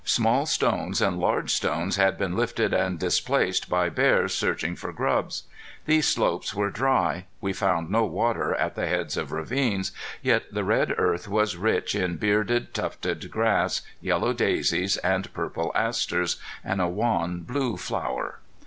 Small stones and large stones had been lifted and displaced by bears searching for grubs. These slopes were dry; we found no water at the heads of ravines, yet the red earth was rich in bearded, tufted grass, yellow daisies and purple asters, and a wan blue flower.